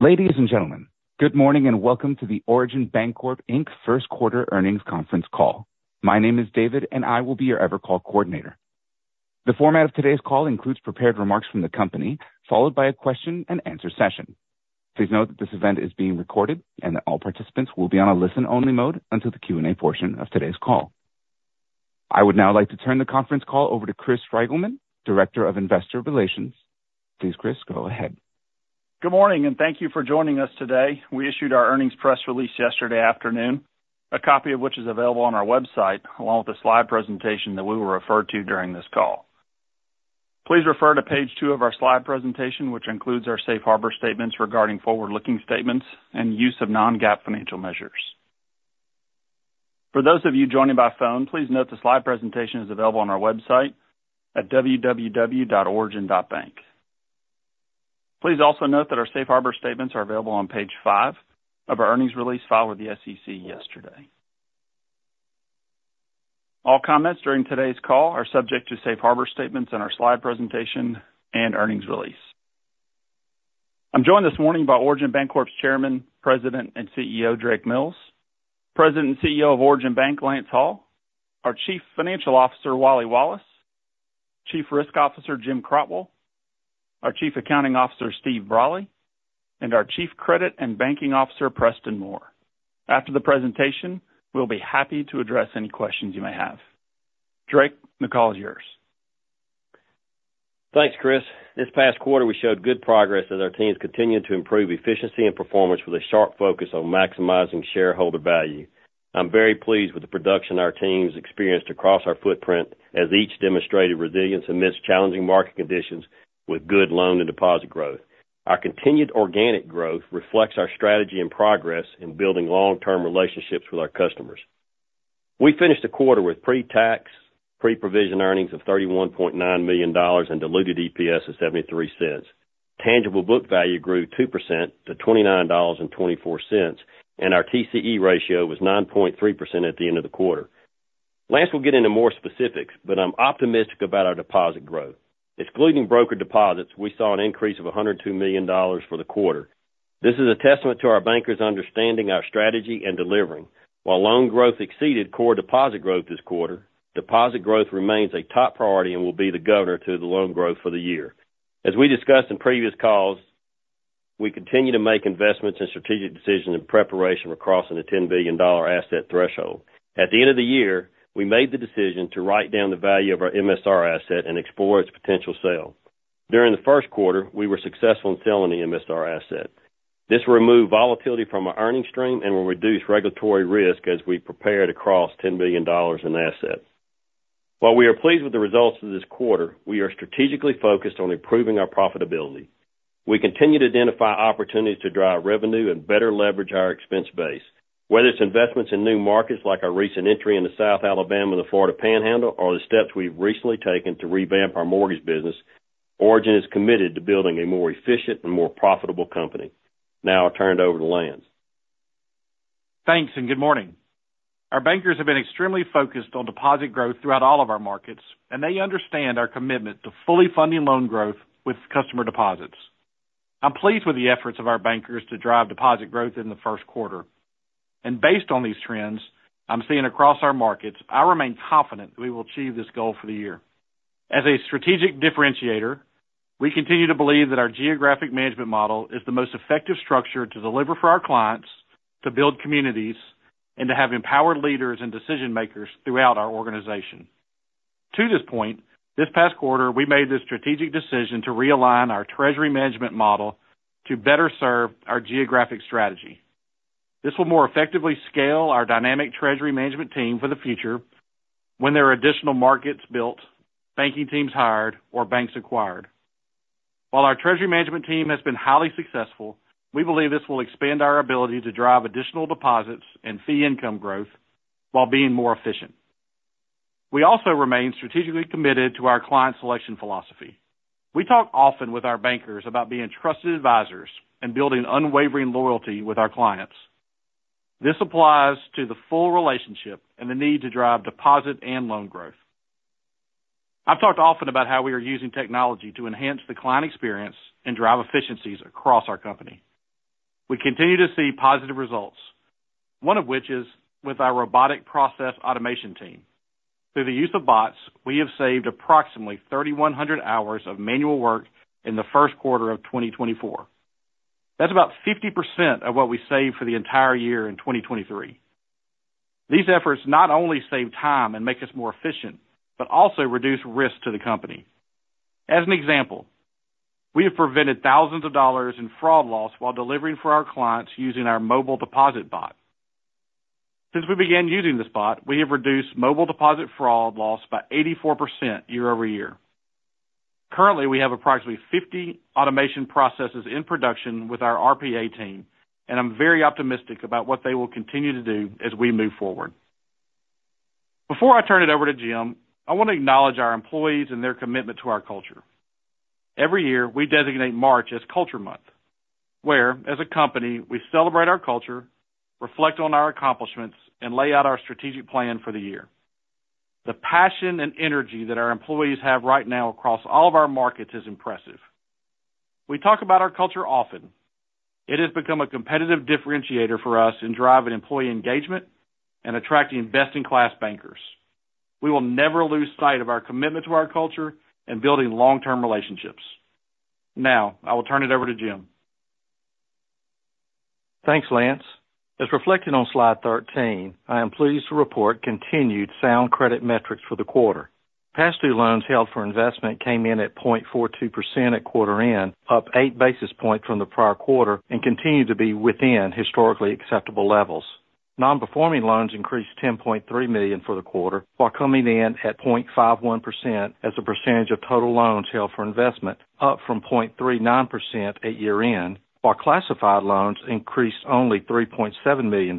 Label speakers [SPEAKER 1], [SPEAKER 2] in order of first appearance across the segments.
[SPEAKER 1] Ladies and gentlemen, good morning and welcome to the Origin Bancorp Inc. First Quarter earnings conference call. My name is David, and I will be your EverCall Coordinator. The format of today's call includes prepared remarks from the company, followed by a question-and-answer session. Please note that this event is being recorded and that all participants will be on a listen-only mode until the Q&A portion of today's call. I would now like to turn the conference call over to Chris Reigelman, Director of Investor Relations. Please, Chris, go ahead.
[SPEAKER 2] Good morning, and thank you for joining us today. We issued our earnings press release yesterday afternoon, a copy of which is available on our website along with the slide presentation that we were referred to during this call. Please refer to page 2 of our slide presentation, which includes our Safe Harbor statements regarding forward-looking statements and use of non-GAAP financial measures. For those of you joining by phone, please note the slide presentation is available on our website at www.origin.bank. Please also note that our Safe Harbor statements are available on page 5 of our earnings release filed with the SEC yesterday. All comments during today's call are subject to Safe Harbor statements in our slide presentation and earnings release. I'm joined this morning by Origin Bancorp's Chairman, President, and CEO, Drake Mills, President and CEO of Origin Bank, Lance Hall, our Chief Financial Officer, Wally Wallace, Chief Risk Officer, Jim Crotwell, our Chief Accounting Officer, Steve Brolly, and our Chief Credit and Banking Officer, Preston Moore. After the presentation, we'll be happy to address any questions you may have. Drake, the call is yours.
[SPEAKER 3] Thanks, Chris. This past quarter, we showed good progress as our teams continued to improve efficiency and performance with a sharp focus on maximizing shareholder value. I'm very pleased with the production our teams experienced across our footprint as each demonstrated resilience amidst challenging market conditions with good loan and deposit growth. Our continued organic growth reflects our strategy and progress in building long-term relationships with our customers. We finished the quarter with pre-tax, pre-provision earnings of $31.9 million and diluted EPS of $0.73. Tangible book value grew 2% to $29.24, and our TCE ratio was 9.3% at the end of the quarter. Lance will get into more specifics, but I'm optimistic about our deposit growth. Excluding brokered deposits, we saw an increase of $102 million for the quarter. This is a testament to our bankers' understanding of our strategy and delivering. While loan growth exceeded core deposit growth this quarter, deposit growth remains a top priority and will be the governor to the loan growth for the year. As we discussed in previous calls, we continue to make investments and strategic decisions in preparation for crossing the $10 billion asset threshold. At the end of the year, we made the decision to write down the value of our MSR asset and explore its potential sale. During the first quarter, we were successful in selling the MSR asset. This removed volatility from our earnings stream and will reduce regulatory risk as we prepared to cross $10 billion in assets. While we are pleased with the results of this quarter, we are strategically focused on improving our profitability. We continue to identify opportunities to drive revenue and better leverage our expense base. Whether it's investments in new markets like our recent entry into South Alabama and the Florida Panhandle or the steps we've recently taken to revamp our mortgage business, Origin is committed to building a more efficient and more profitable company. Now I'll turn it over to Lance.
[SPEAKER 4] Thanks and good morning. Our bankers have been extremely focused on deposit growth throughout all of our markets, and they understand our commitment to fully funding loan growth with customer deposits. I'm pleased with the efforts of our bankers to drive deposit growth in the first quarter. Based on these trends, I'm seeing across our markets, I remain confident that we will achieve this goal for the year. As a strategic differentiator, we continue to believe that our geographic management model is the most effective structure to deliver for our clients, to build communities, and to have empowered leaders and decision-makers throughout our organization. To this point, this past quarter, we made this strategic decision to realign our treasury management model to better serve our geographic strategy. This will more effectively scale our dynamic treasury management team for the future when there are additional markets built, banking teams hired, or banks acquired. While our treasury management team has been highly successful, we believe this will expand our ability to drive additional deposits and fee income growth while being more efficient. We also remain strategically committed to our client selection philosophy. We talk often with our bankers about being trusted advisors and building unwavering loyalty with our clients. This applies to the full relationship and the need to drive deposit and loan growth. I've talked often about how we are using technology to enhance the client experience and drive efficiencies across our company. We continue to see positive results, one of which is with our robotic process automation team. Through the use of bots, we have saved approximately 3,100 hours of manual work in the first quarter of 2024. That's about 50% of what we saved for the entire year in 2023. These efforts not only save time and make us more efficient but also reduce risk to the company. As an example, we have prevented $thousands in fraud loss while delivering for our clients using our mobile deposit bot. Since we began using this bot, we have reduced mobile deposit fraud loss by 84% year-over-year. Currently, we have approximately 50 automation processes in production with our RPA team, and I'm very optimistic about what they will continue to do as we move forward. Before I turn it over to Jim, I want to acknowledge our employees and their commitment to our culture. Every year, we designate March as Culture Month, where, as a company, we celebrate our culture, reflect on our accomplishments, and lay out our strategic plan for the year. The passion and energy that our employees have right now across all of our markets is impressive. We talk about our culture often. It has become a competitive differentiator for us in driving employee engagement and attracting best-in-class bankers. We will never lose sight of our commitment to our culture and building long-term relationships. Now, I will turn it over to Jim.
[SPEAKER 5] Thanks, Lance. As reflected on slide 13, I am pleased to report continued sound credit metrics for the quarter. Past-due loans held for investment came in at 0.42% at quarter-end, up eight basis points from the prior quarter, and continue to be within historically acceptable levels. Non-performing loans increased $10.3 million for the quarter while coming in at 0.51% as a percentage of total loans held for investment, up from 0.39% at year-end, while classified loans increased only $3.7 million,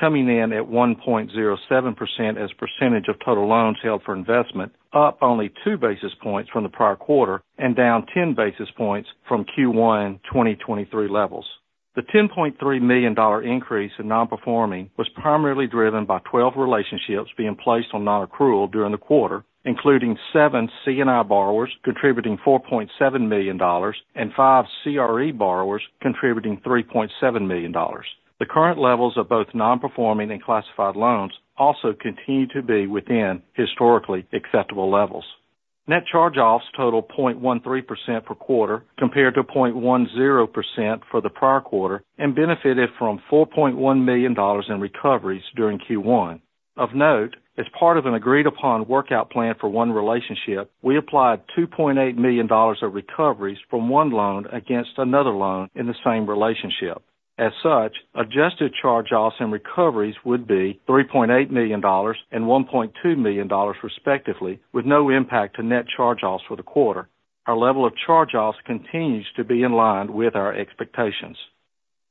[SPEAKER 5] coming in at 1.07% as a percentage of total loans held for investment, up only two basis points from the prior quarter and down 10 basis points from Q1 2023 levels. The $10.3 million increase in non-performing was primarily driven by 12 relationships being placed on non-accrual during the quarter, including seven C&I borrowers contributing $4.7 million and five CRE borrowers contributing $3.7 million. The current levels of both non-performing and classified loans also continue to be within historically acceptable levels. Net charge-offs totaled 0.13% per quarter compared to 0.10% for the prior quarter and benefited from $4.1 million in recoveries during Q1. Of note, as part of an agreed-upon workout plan for one relationship, we applied $2.8 million of recoveries from one loan against another loan in the same relationship. As such, adjusted charge-offs and recoveries would be $3.8 million and $1.2 million respectively, with no impact to net charge-offs for the quarter. Our level of charge-offs continues to be in line with our expectations.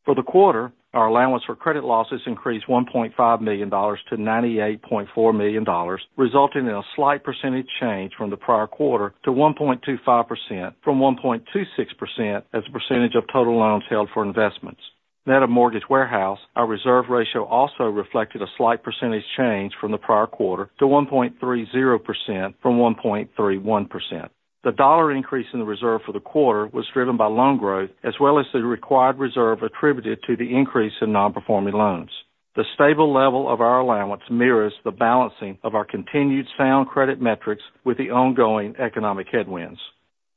[SPEAKER 5] For the quarter, our allowance for credit losses increased $1.5 million to $98.4 million, resulting in a slight percentage change from the prior quarter to 1.25% from 1.26% as a percentage of total loans held for investments. Net of mortgage warehouse, our reserve ratio also reflected a slight percentage change from the prior quarter to 1.30% from 1.31%. The dollar increase in the reserve for the quarter was driven by loan growth as well as the required reserve attributed to the increase in non-performing loans. The stable level of our allowance mirrors the balancing of our continued sound credit metrics with the ongoing economic headwinds.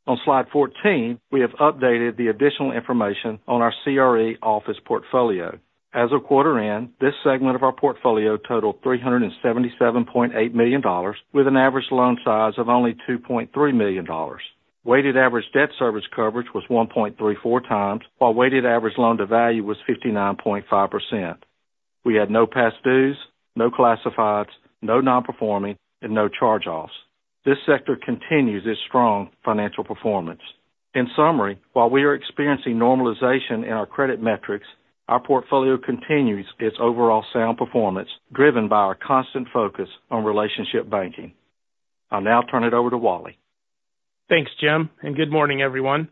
[SPEAKER 5] On slide 14, we have updated the additional information on our CRE office portfolio. As of quarter-end, this segment of our portfolio totaled $377.8 million, with an average loan size of only $2.3 million. Weighted average debt service coverage was 1.34x, while weighted average loan-to-value was 59.5%. We had no past dues, no classifieds, no non-performing, and no charge-offs. This sector continues its strong financial performance. In summary, while we are experiencing normalization in our credit metrics, our portfolio continues its overall sound performance driven by our constant focus on relationship banking. I'll now turn it over to Wally.
[SPEAKER 6] Thanks, Jim, and good morning, everyone.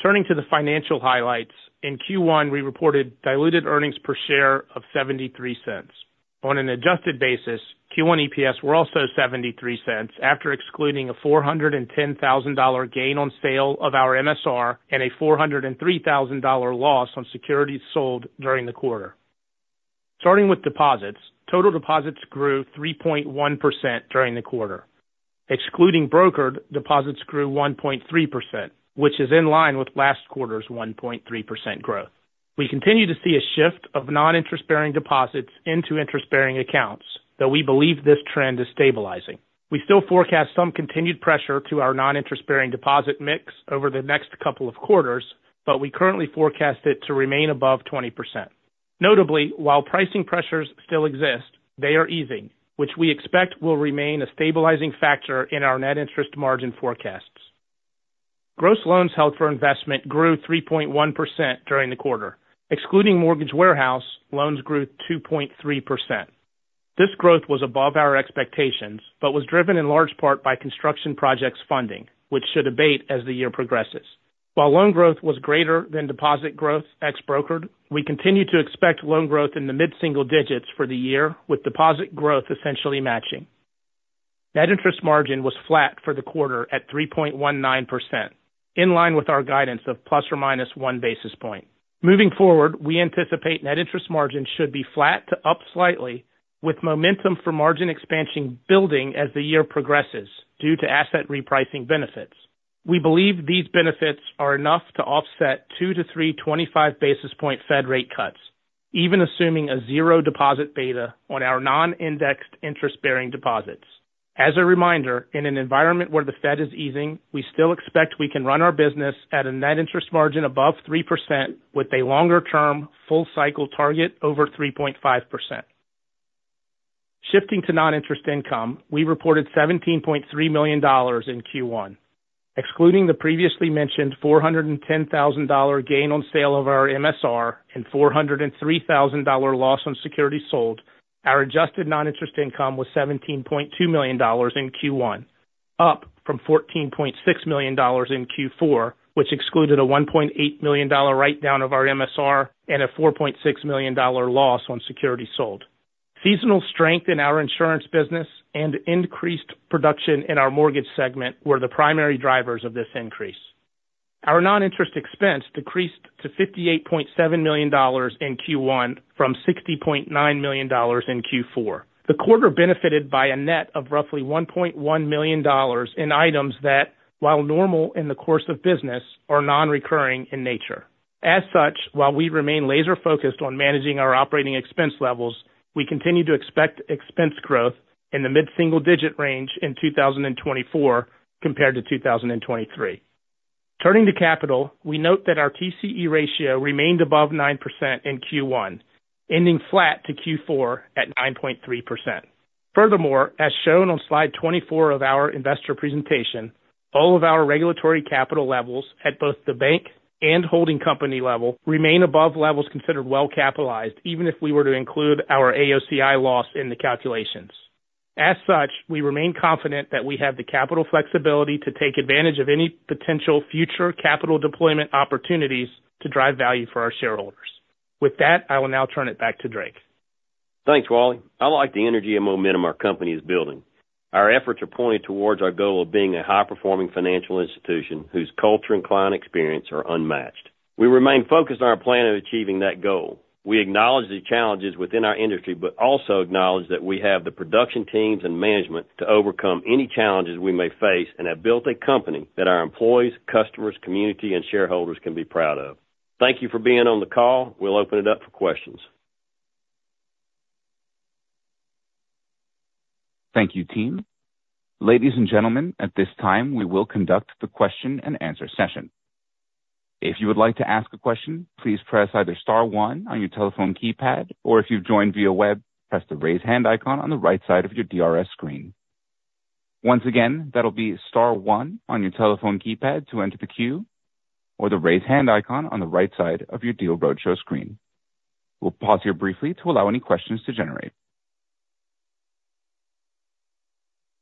[SPEAKER 6] Turning to the financial highlights, in Q1 we reported diluted earnings per share of $0.73. On an adjusted basis, Q1 EPS were also $0.73 after excluding a $410,000 gain on sale of our MSR and a $403,000 loss on securities sold during the quarter. Starting with deposits, total deposits grew 3.1% during the quarter. Excluding brokered, deposits grew 1.3%, which is in line with last quarter's 1.3% growth. We continue to see a shift of non-interest-bearing deposits into interest-bearing accounts, though we believe this trend is stabilizing. We still forecast some continued pressure to our non-interest-bearing deposit mix over the next couple of quarters, but we currently forecast it to remain above 20%. Notably, while pricing pressures still exist, they are easing, which we expect will remain a stabilizing factor in our net interest margin forecasts. Gross loans held for investment grew 3.1% during the quarter. Excluding mortgage warehouse, loans grew 2.3%. This growth was above our expectations but was driven in large part by construction projects funding, which should abate as the year progresses. While loan growth was greater than deposit growth ex-brokered, we continue to expect loan growth in the mid-single digits for the year, with deposit growth essentially matching. Net interest margin was flat for the quarter at 3.19%, in line with our guidance of ±1 basis point. Moving forward, we anticipate net interest margin should be flat to up slightly, with momentum for margin expansion building as the year progresses due to asset repricing benefits. We believe these benefits are enough to offset 2-3 25-basis point Fed rate cuts, even assuming a zero deposit beta on our non-indexed interest-bearing deposits. As a reminder, in an environment where the Fed is easing, we still expect we can run our business at a net interest margin above 3% with a longer-term full-cycle target over 3.5%. Shifting to non-interest income, we reported $17.3 million in Q1. Excluding the previously mentioned $410,000 gain on sale of our MSR and $403,000 loss on securities sold, our adjusted non-interest income was $17.2 million in Q1, up from $14.6 million in Q4, which excluded a $1.8 million write-down of our MSR and a $4.6 million loss on securities sold. Seasonal strength in our insurance business and increased production in our mortgage segment were the primary drivers of this increase. Our non-interest expense decreased to $58.7 million in Q1 from $60.9 million in Q4. The quarter benefited by a net of roughly $1.1 million in items that, while normal in the course of business, are non-recurring in nature. As such, while we remain laser-focused on managing our operating expense levels, we continue to expect expense growth in the mid-single digit range in 2024 compared to 2023. Turning to capital, we note that our TCE ratio remained above 9% in Q1, ending flat to Q4 at 9.3%. Furthermore, as shown on slide 24 of our investor presentation, all of our regulatory capital levels at both the bank and holding company level remain above levels considered well-capitalized, even if we were to include our AOCI loss in the calculations. As such, we remain confident that we have the capital flexibility to take advantage of any potential future capital deployment opportunities to drive value for our shareholders. With that, I will now turn it back to Drake.
[SPEAKER 3] Thanks, Wally. I like the energy and momentum our company is building. Our efforts are pointed towards our goal of being a high-performing financial institution whose culture and client experience are unmatched. We remain focused on our plan of achieving that goal. We acknowledge the challenges within our industry but also acknowledge that we have the production teams and management to overcome any challenges we may face and have built a company that our employees, customers, community, and shareholders can be proud of. Thank you for being on the call. We'll open it up for questions.
[SPEAKER 1] Thank you, team. Ladies and gentlemen, at this time, we will conduct the question-and-answer session. If you would like to ask a question, please press either star one on your telephone keypad, or if you've joined via web, press the raise hand icon on the right side of your DRS screen. Once again, that'll be star one on your telephone keypad to enter the queue, or the raise hand icon on the right side of your Deal Roadshow screen. We'll pause here briefly to allow any questions to generate.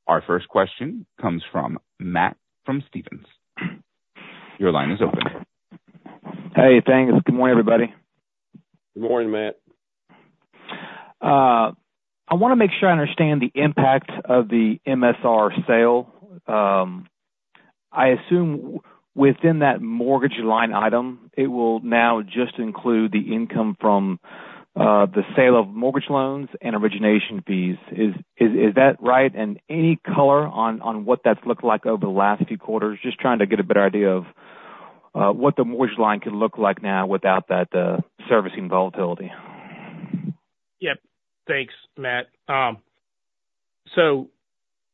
[SPEAKER 1] Our first question comes from Matt from Stephens. Your line is open.
[SPEAKER 7] Hey, thanks. Good morning, everybody.
[SPEAKER 6] Good morning, Matt.
[SPEAKER 7] I want to make sure I understand the impact of the MSR sale. I assume within that mortgage line item, it will now just include the income from the sale of mortgage loans and origination fees. Is that right? Any color on what that's looked like over the last few quarters? Just trying to get a better idea of what the mortgage line could look like now without that servicing volatility.
[SPEAKER 6] Yep, thanks, Matt.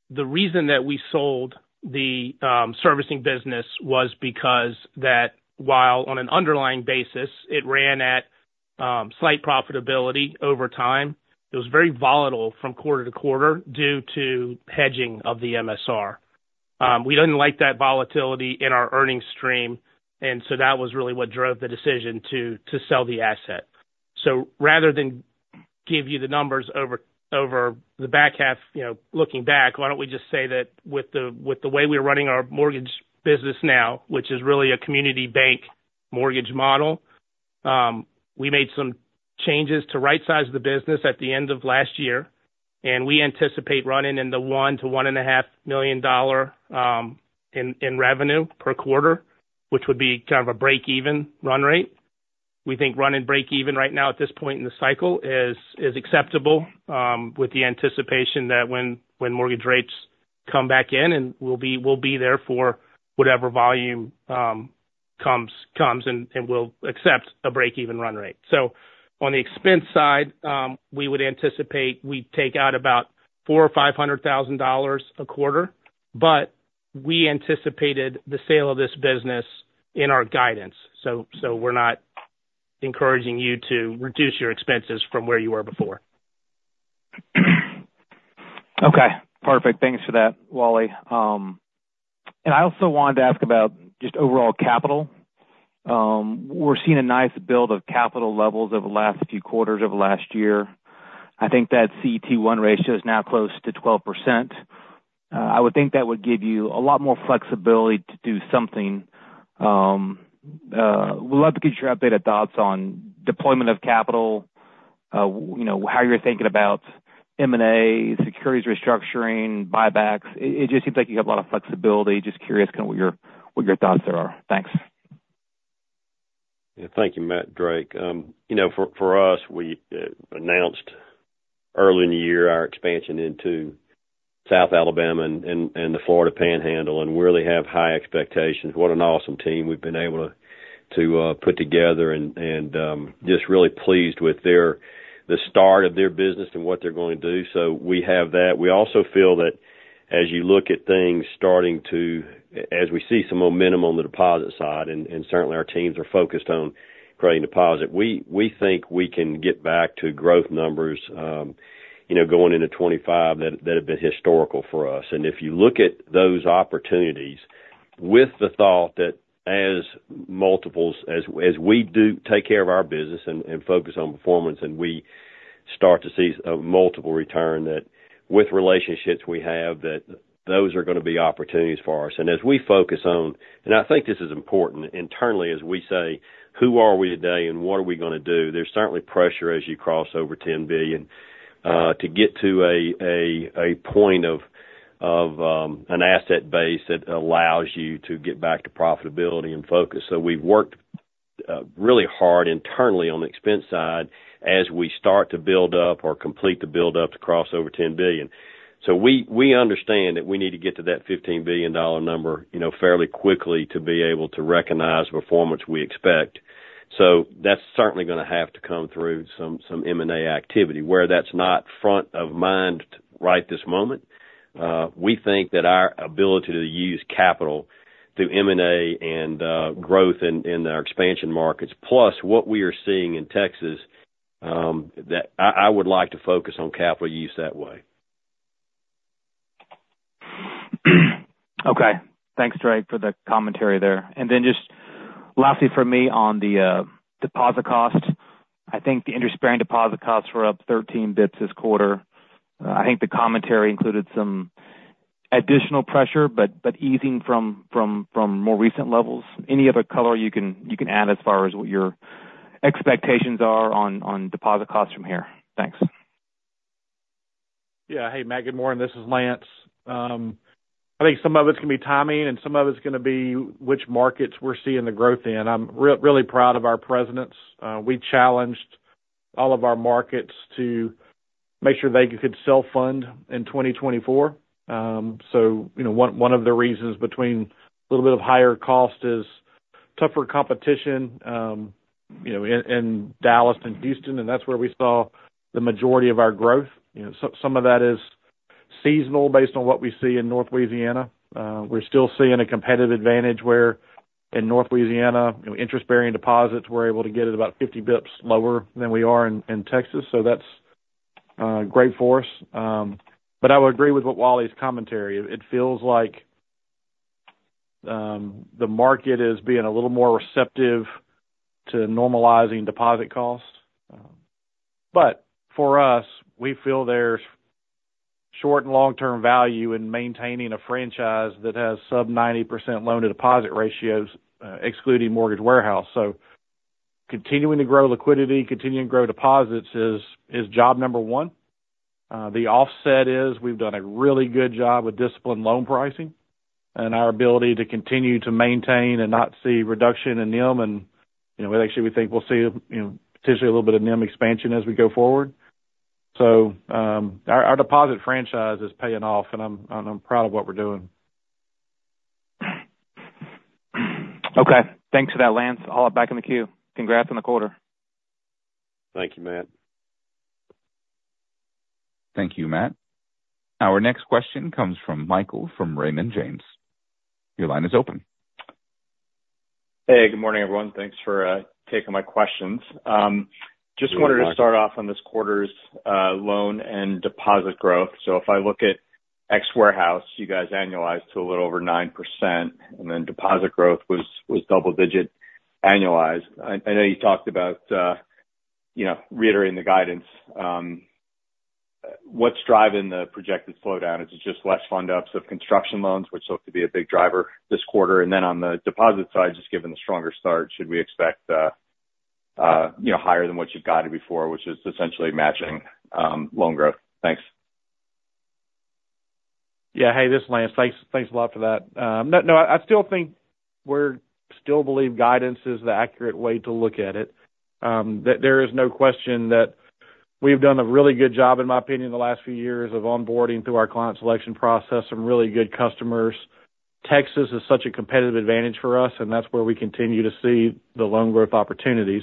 [SPEAKER 6] The reason that we sold the servicing business was because that, while on an underlying basis, it ran at slight profitability over time, it was very volatile from quarter-to-quarter due to hedging of the MSR. We didn't like that volatility in our earnings stream, and so that was really what drove the decision to sell the asset. Rather than give you the numbers over the back half, looking back, why don't we just say that with the way we're running our mortgage business now, which is really a community bank mortgage model, we made some changes to right-size the business at the end of last year, and we anticipate running in the $1 million-$1.5 million in revenue per quarter, which would be kind of a break-even run rate. We think running break-even right now at this point in the cycle is acceptable with the anticipation that when mortgage rates come back in, and we'll be there for whatever volume comes, and we'll accept a break-even run rate. On the expense side, we would anticipate we'd take out about $400,000-$500,000 a quarter, but we anticipated the sale of this business in our guidance. We're not encouraging you to reduce your expenses from where you were before.
[SPEAKER 7] Okay. Perfect. Thanks for that, Wally. I also wanted to ask about just overall capital. We're seeing a nice build of capital levels over the last few quarters of last year. I think that CET1 ratio is now close to 12%. I would think that would give you a lot more flexibility to do something. We'd love to get your updated thoughts on deployment of capital, how you're thinking about M&A, securities restructuring, buybacks. It just seems like you have a lot of flexibility. Just curious kind of what your thoughts there are? Thanks.
[SPEAKER 3] Yeah, thank you, Matt. Drake. For us, we announced early in the year our expansion into South Alabama and the Florida Panhandle, and we really have high expectations. What an awesome team we've been able to put together, and just really pleased with the start of their business and what they're going to do. We have that. We also feel that as you look at things, as we see some momentum on the deposit side, and certainly our teams are focused on creating deposit, we think we can get back to growth numbers going into 2025 that have been historical for us. If you look at those opportunities with the thought that as multiples as we do take care of our business and focus on performance, and we start to see a multiple return with relationships we have, that those are going to be opportunities for us. As we focus on and I think this is important internally as we say, "Who are we today, and what are we going to do?" There's certainly pressure as you cross over $10 billion to get to a point of an asset base that allows you to get back to profitability and focus. We've worked really hard internally on the expense side as we start to build up or complete the buildup to cross over $10 billion. We understand that we need to get to that $15 billion number fairly quickly to be able to recognize performance we expect. That's certainly going to have to come through some M&A activity. Where that's not front of mind right this moment, we think that our ability to use capital to M&A and growth in our expansion markets, plus what we are seeing in Texas, that I would like to focus on capital use that way.
[SPEAKER 7] Okay. Thanks, Drake, for the commentary there. Then just lastly from me on the deposit cost, I think the interest-bearing deposit costs were up 13 basis points this quarter. I think the commentary included some additional pressure but easing from more recent levels. Any other color you can add as far as what your expectations are on deposit costs from here? Thanks.
[SPEAKER 4] Yeah. Hey, Matt Olney. This is Lance. I think some of it's going to be timing, and some of it's going to be which markets we're seeing the growth in. I'm really proud of our presidents. We challenged all of our markets to make sure they could self-fund in 2024. One of the reasons between a little bit of higher cost is tougher competition in Dallas and Houston, and that's where we saw the majority of our growth. Some of that is seasonal based on what we see in North Louisiana. We're still seeing a competitive advantage where in North Louisiana, interest-bearing deposits, we're able to get it about 50 basis points lower than we are in Texas, so that's great for us. I would agree with what Wally's commentary. It feels like the market is being a little more receptive to normalizing deposit cost. For us, we feel there's short and long-term value in maintaining a franchise that has sub-90% loan-to-deposit ratios, excluding mortgage warehouse. Continuing to grow liquidity, continuing to grow deposits is job number one. The offset is we've done a really good job with disciplined loan pricing and our ability to continue to maintain and not see reduction in NIM. And actually, we think we'll see potentially a little bit of NIM expansion as we go forward. Our deposit franchise is paying off, and I'm proud of what we're doing.
[SPEAKER 7] Okay. Thanks for that, Lance. I'll have back in the queue. Congrats on the quarter.
[SPEAKER 3] Thank you, Matt.
[SPEAKER 1] Thank you, Matt. Our next question comes from Michael from Raymond James. Your line is open.
[SPEAKER 8] Hey, good morning, everyone. Thanks for taking my questions. Just wanted to start off on this quarter's loan and deposit growth. If I look at mortgage warehouse, you guys annualized to a little over 9%, and then deposit growth was double-digit annualized. I know you talked about reiterating the guidance. What's driving the projected slowdown? Is it just less fund-ups of construction loans, which look to be a big driver this quarter? Then on the deposit side, just given the stronger start, should we expect higher than what you've guided before, which is essentially matching loan growth? Thanks.
[SPEAKER 4] Yeah. Hey, this is Lance. Thanks a lot for that. No, I still think we still believe guidance is the accurate way to look at it. There is no question that we've done a really good job, in my opinion, the last few years of onboarding through our client selection process, some really good customers. Texas is such a competitive advantage for us, and that's where we continue to see the loan growth opportunities.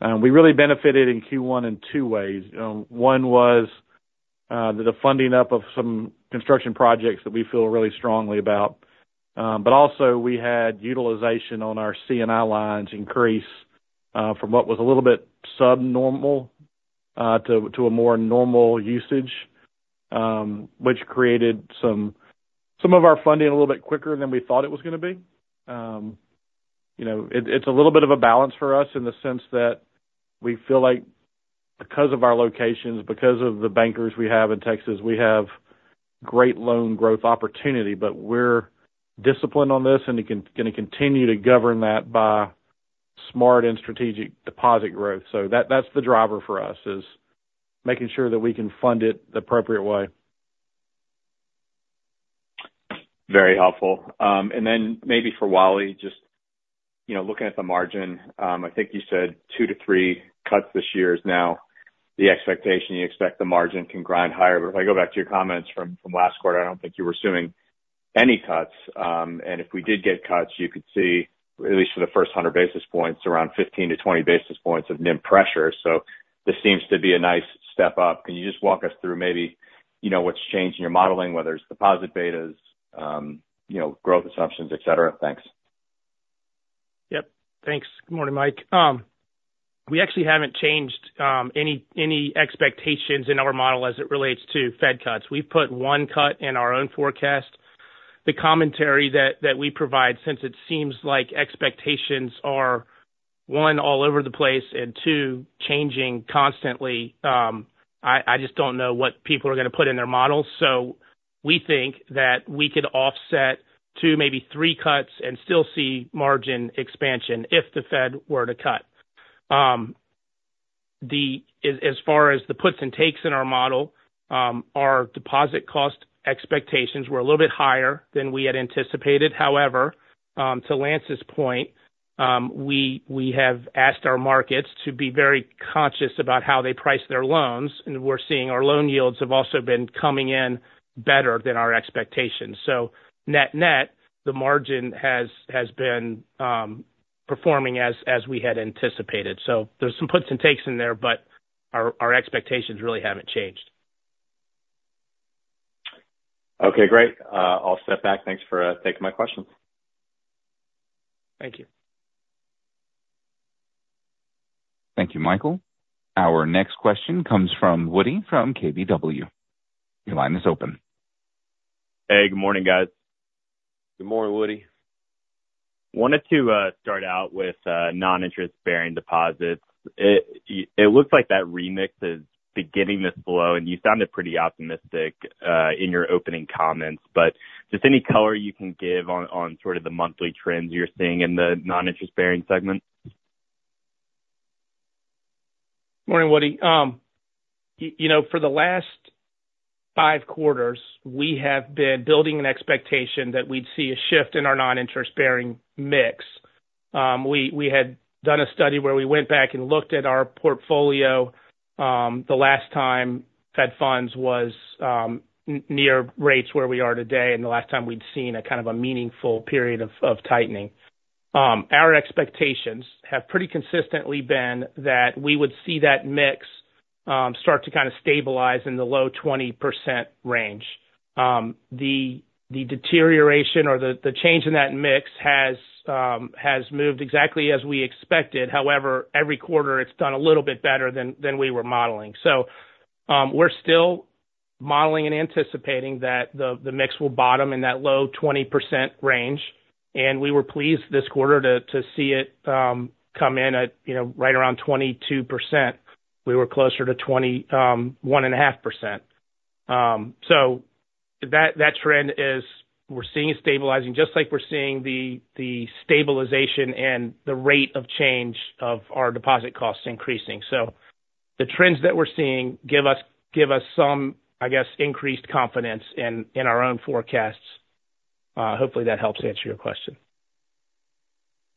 [SPEAKER 4] We really benefited in Q1 in two ways. One was the funding up of some construction projects that we feel really strongly about. Also, we had utilization on our C&I lines increase from what was a little bit subnormal to a more normal usage, which created some of our funding a little bit quicker than we thought it was going to be. It's a little bit of a balance for us in the sense that we feel like because of our locations, because of the bankers we have in Texas, we have great loan growth opportunity, but we're disciplined on this and going to continue to govern that by smart and strategic deposit growth. That's the driver for us, is making sure that we can fund it the appropriate way.
[SPEAKER 8] Very helpful. Then maybe for Wally, just looking at the margin, I think you said 2 cuts-3 cuts this year is now the expectation. You expect the margin can grind higher. If I go back to your comments from last quarter, I don't think you were assuming any cuts. If we did get cuts, you could see, at least for the first 100 basis points, around 15 basis points-20 basis points of NIM pressure. This seems to be a nice step up. Can you just walk us through maybe what's changed in your modeling, whether it's deposit betas, growth assumptions, etc.? Thanks.
[SPEAKER 6] Yep. Thanks. Good morning, Mike. We actually haven't changed any expectations in our model as it relates to Fed cuts. We've put one cut in our own forecast. The commentary that we provide, since it seems like expectations are, one, all over the place, and two, changing constantly, I just don't know what people are going to put in their models. We think that we could offset two, maybe three cuts and still see margin expansion if the Fed were to cut. As far as the puts and takes in our model, our deposit cost expectations were a little bit higher than we had anticipated. However, to Lance's point, we have asked our markets to be very conscious about how they price their loans, and we're seeing our loan yields have also been coming in better than our expectations. Net-net, the margin has been performing as we had anticipated. There's some puts and takes in there, but our expectations really haven't changed.
[SPEAKER 8] Okay. Great. I'll step back. Thanks for taking my questions.
[SPEAKER 6] Thank you.
[SPEAKER 1] Thank you, Michael. Our next question comes from Woody from KBW. Your line is open.
[SPEAKER 9] Hey, good morning, guys.
[SPEAKER 3] Good morning, Woody.
[SPEAKER 9] Wanted to start out with noninterest-bearing deposits. It looks like that remix is beginning to flow, and you sounded pretty optimistic in your opening comments. Just any color you can give on sort of the monthly trends you're seeing in the Noninterest-Bearing segment?
[SPEAKER 6] Morning, Woody. For the last 5 quarters, we have been building an expectation that we'd see a shift in our non-interest-bearing mix. We had done a study where we went back and looked at our portfolio. The last time Fed funds was near rates where we are today, and the last time we'd seen a kind of a meaningful period of tightening. Our expectations have pretty consistently been that we would see that mix start to kind of stabilize in the low 20% range. The deterioration or the change in that mix has moved exactly as we expected. However, every quarter, it's done a little bit better than we were modeling. We're still modeling and anticipating that the mix will bottom in that low 20% range. And we were pleased this quarter to see it come in at right around 22%. We were closer to 21.5%. That trend is we're seeing it stabilizing just like we're seeing the stabilization and the rate of change of our deposit costs increasing. S-The trends that we're seeing give us some, I guess, increased confidence in our own forecasts. Hopefully, that helps answer your question.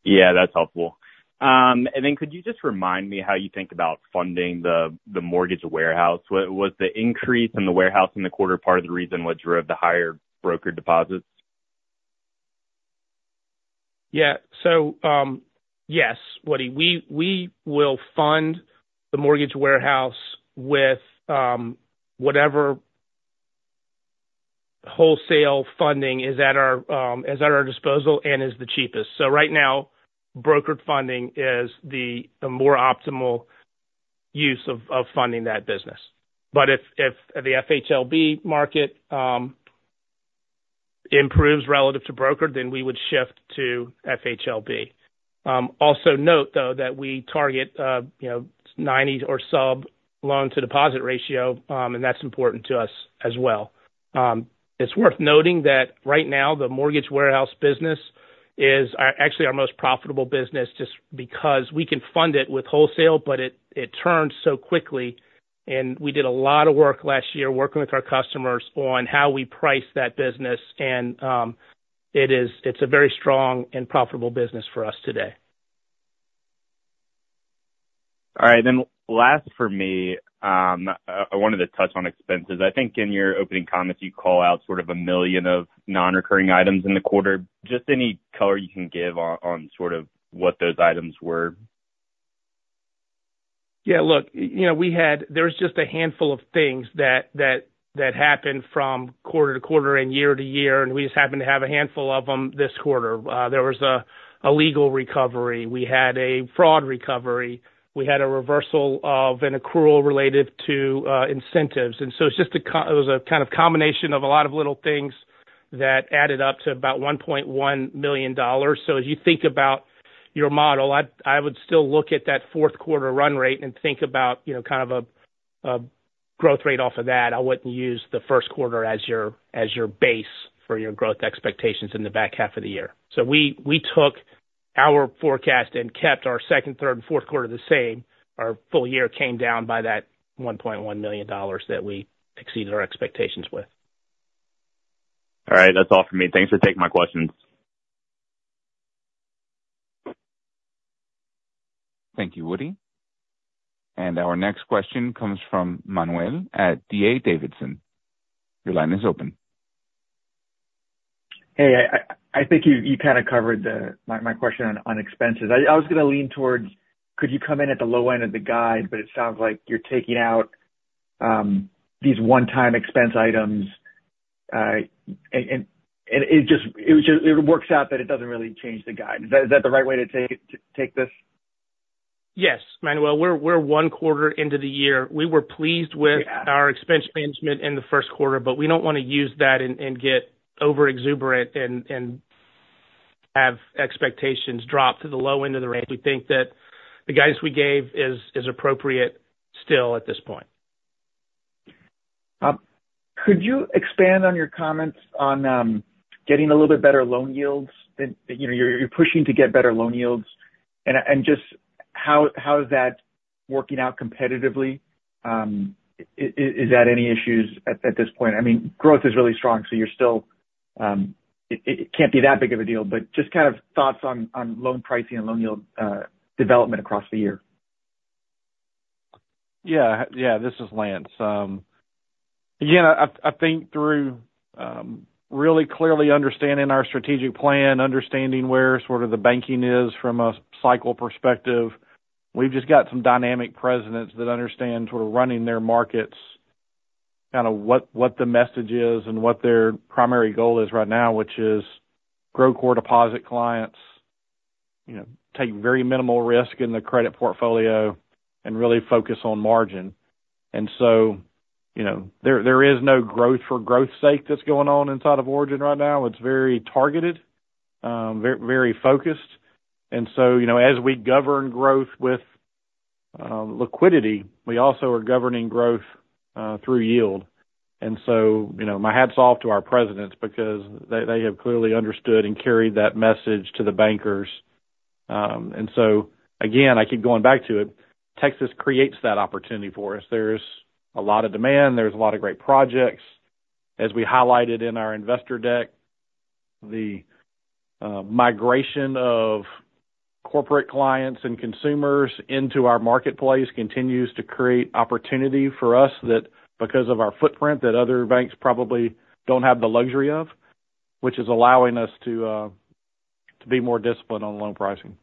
[SPEAKER 9] Yeah, that's helpful. Then could you just remind me how you think about funding the mortgage warehouse? Was the increase in the warehouse in the quarter part of the reason what drove the higher brokered deposits?
[SPEAKER 6] Yeah. Yes, Woody. We will fund the mortgage warehouse with whatever wholesale funding is at our disposal and is the cheapest. Right now, brokered funding is the more optimal use of funding that business. If the FHLB market improves relative to brokered, then we would shift to FHLB. Also note, though, that we target 90 or sub loan-to-deposit ratio, and that's important to us as well. It's worth noting that right now, the mortgage warehouse business is actually our most profitable business just because we can fund it with wholesale, but it turned so quickly. We did a lot of work last year working with our customers on how we price that business, and it's a very strong and profitable business for us today.
[SPEAKER 9] All right. Then last for me, I wanted to touch on expenses. I think in your opening comments, you call out sort of $1 million of non-recurring items in the quarter. Just any color you can give on sort of what those items were?
[SPEAKER 6] Yeah. Look, there was just a handful of things that happened from quarter to quarter and year-to-year, and we just happened to have a handful of them this quarter. There was a legal recovery. We had a fraud recovery. We had a reversal of an accrual related to incentives. It was a kind of combination of a lot of little things that added up to about $1.1 million. As you think about your model, I would still look at that fourth-quarter run rate and think about kind of a growth rate off of that. I wouldn't use the first quarter as your base for your growth expectations in the back half of the year. We took our forecast and kept our second, third, and fourth quarter the same. Our full year came down by that $1.1 million that we exceeded our expectations with.
[SPEAKER 9] All right. That's all for me. Thanks for taking my questions.
[SPEAKER 1] Thank you, Woody. Our next question comes from Manuel at D.A. Davidson. Your line is open.
[SPEAKER 10] Hey, I think you kind of covered my question on expenses. I was going to lean towards, could you come in at the low end of the guide, but it sounds like you're taking out these one-time expense items, and it works out that it doesn't really change the guide. Is that the right way to take this?
[SPEAKER 6] Yes, Manuel. We're one quarter into the year. We were pleased with our expense management in the first quarter, but we don't want to use that and get overexuberant and have expectations drop to the low end of the range. We think that the guidance we gave is appropriate still at this point.
[SPEAKER 10] Could you expand on your comments on getting a little bit better loan yields? You're pushing to get better loan yields. Just how is that working out competitively? Is that any issues at this point? I mean, growth is really strong, so it can't be that big of a deal. Just kind of thoughts on loan pricing and loan yield development across the year.
[SPEAKER 4] Yeah. Yeah, this is Lance. Again, I think through really clearly understanding our strategic plan, understanding where sort of the banking is from a cycle perspective, we've just got some dynamic presidents that understand sort of running their markets, kind of what the message is and what their primary goal is right now, which is grow core deposit clients, take very minimal risk in the credit portfolio, and really focus on margin. There is no growth for growth's sake that's going on inside of Origin right now. It's very targeted, very focused. As we govern growth with liquidity, we also are governing growth through yield. My hats off to our presidents because they have clearly understood and carried that message to the bankers. Aagain, I keep going back to it. Texas creates that opportunity for us. There's a lot of demand. There's a lot of great projects. As we highlighted in our investor deck, the migration of corporate clients and consumers into our marketplace continues to create opportunity for us because of our footprint that other banks probably don't have the luxury of, which is allowing us to be more disciplined on loan pricing.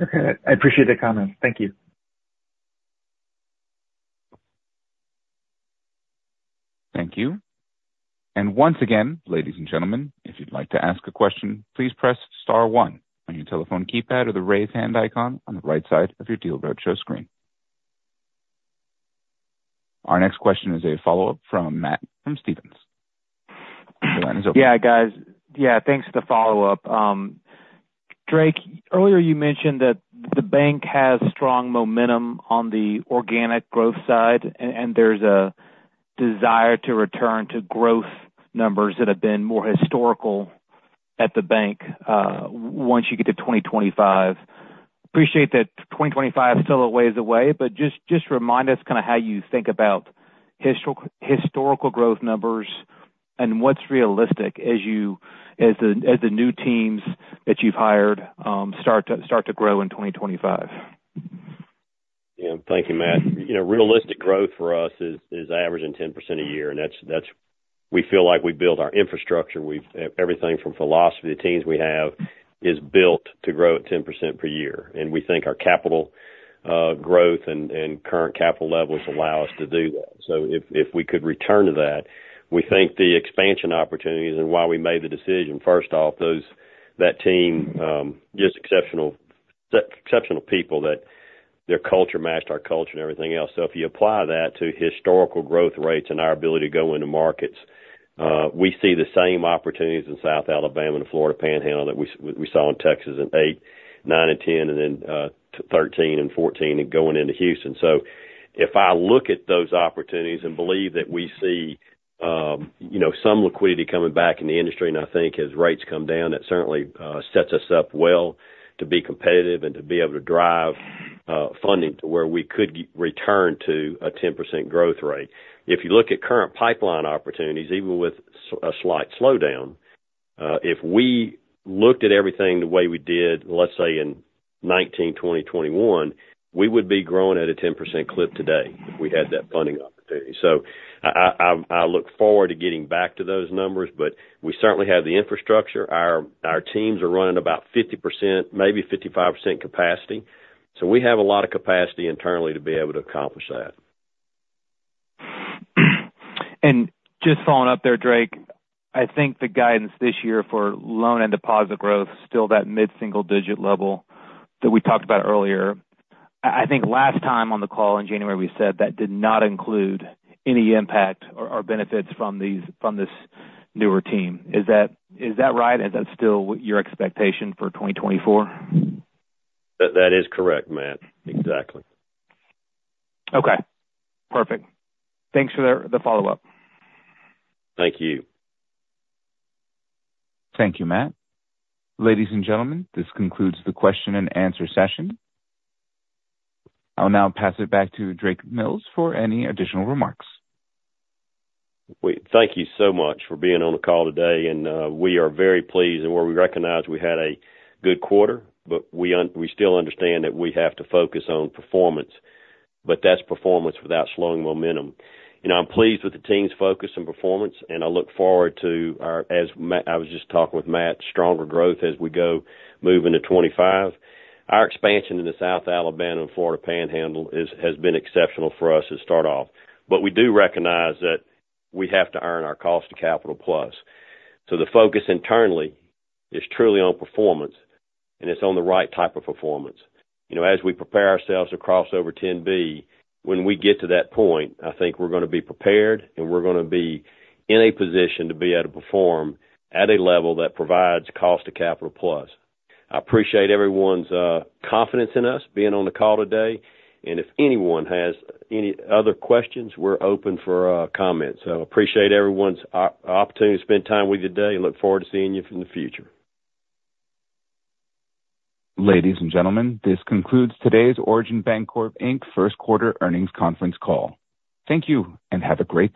[SPEAKER 10] Okay. I appreciate the comments. Thank you.
[SPEAKER 1] Thank you. Once again, ladies and gentlemen, if you'd like to ask a question, please press star one on your telephone keypad or the raised hand icon on the right side of your Deal Roadshow screen. Our next question is a follow-up from Matt from Stephens. Your line is open.
[SPEAKER 7] Yeah, guys. Yeah, thanks for the follow-up. Drake, earlier you mentioned that the bank has strong momentum on the organic growth side, and there's a desire to return to growth numbers that have been more historical at the bank once you get to 2025. Appreciate that 2025 still a ways away, but just remind us kind of how you think about historical growth numbers and what's realistic as the new teams that you've hired start to grow in 2025?
[SPEAKER 3] Yeah. Thank you, Matt. Realistic growth for us is average in 10% a year. We feel like we've built our infrastructure. Everything from philosophy to teams we have is built to grow at 10% per year. We think our capital growth and current capital levels allow us to do that. If we could return to that, we think the expansion opportunities and why we made the decision, first off, that team, just exceptional people that their culture matched our culture and everything else. If you apply that to historical growth rates and our ability to go into markets, we see the same opportunities in South Alabama and Florida Panhandle that we saw in Texas in 2008, 2009, and 2010, and then 2013 and 2014 and going into Houston. If I look at those opportunities and believe that we see some liquidity coming back in the industry, and I think as rates come down, that certainly sets us up well to be competitive and to be able to drive funding to where we could return to a 10% growth rate. If you look at current pipeline opportunities, even with a slight slowdown, if we looked at everything the way we did, let's say, in 2019, 2020, 2021, we would be growing at a 10% clip today if we had that funding opportunity. I look forward to getting back to those numbers, but we certainly have the infrastructure. Our teams are running about 50%, maybe 55% capacity. We have a lot of capacity internally to be able to accomplish that.
[SPEAKER 7] Just following up there, Drake, I think the guidance this year for loan and deposit growth, still that mid-single-digit level that we talked about earlier. I think last time on the call in January, we said that did not include any impact or benefits from this newer team. Is that right? Is that still your expectation for 2024?
[SPEAKER 3] That is correct, Matt. Exactly.
[SPEAKER 7] Okay. Perfect. Thanks for the follow-up.
[SPEAKER 3] Thank you.
[SPEAKER 1] Thank you, Matt. Ladies and gentlemen, this concludes the question-and-answer session. I'll now pass it back to Drake Mills for any additional remarks.
[SPEAKER 3] Thank you so much for being on the call today. We are very pleased, and we recognize we had a good quarter, but we still understand that we have to focus on performance. That's performance without slowing momentum. I'm pleased with the team's focus and performance, and I look forward to, as I was just talking with Matt, stronger growth as we go moving to 2025. Our expansion into South Alabama and Florida Panhandle has been exceptional for us to start off. We do recognize that we have to earn our cost of capital plus. The focus internally is truly on performance, and it's on the right type of performance. As we prepare ourselves to cross over $10 billion, when we get to that point, I think we're going to be prepared, and we're going to be in a position to be able to perform at a level that provides cost of capital plus. I appreciate everyone's confidence in us being on the call today. If anyone has any other questions, we're open for comments. Appreciate everyone's opportunity to spend time with you today. Look forward to seeing you in the future.
[SPEAKER 1] Ladies and gentlemen, this concludes today's Origin Bancorp Inc. First Quarter earnings conference call. Thank you, and have a great day.